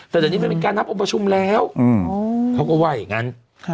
แต่จากนี้ไม่มีการนับอุปชุมแล้วเขาก็ไหว้อย่างนั้น